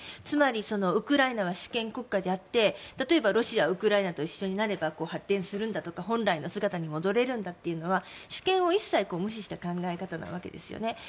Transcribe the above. つまり、ウクライナは主権国家であって例えばロシアがウクライナと一緒になれば発展するんだとか、本来の姿に戻れるんだということは主権を一切無視した考え方なわけですよね。